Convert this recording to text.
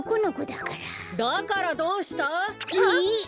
だからどうした？あっ！え？